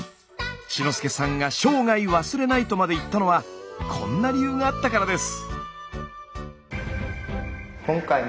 志の輔さんが「生涯忘れない」とまで言ったのはこんな理由があったからです。